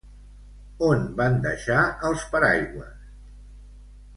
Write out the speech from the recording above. On van deixar els paraigües?